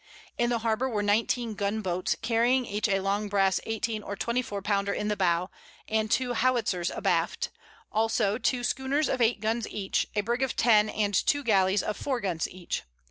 In the harbor were nineteen gun boats carrying each a long brass eighteen or twenty four pounder in the bow, and two howitzers abaft; also two schooners of eight guns each, a brig of ten and two galleys of four guns each.